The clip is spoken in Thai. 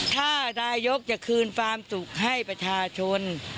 ถ้านายกจะคืนความสุขให้ประชาชน